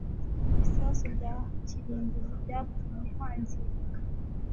ibisasu bya kirimbuzi byatumye hangirika